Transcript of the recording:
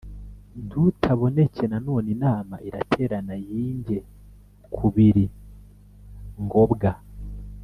Ntutaboneke na none inama iraterana yinge kubiri ngobwa